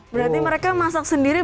berarti mereka masak sendiri